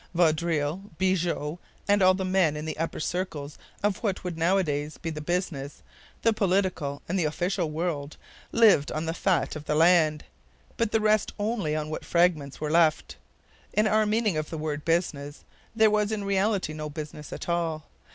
Vaudreuil, Bigot, and all the men in the upper circles of what would nowadays be the business, the political, and the official world, lived on the fat of the land; but the rest only on what fragments were left. In our meaning of the word 'business' there was in reality no business at all.